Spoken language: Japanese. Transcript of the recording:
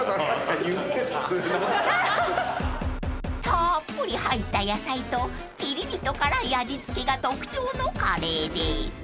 ［たっぷり入った野菜とピリリと辛い味付けが特徴のカレーです］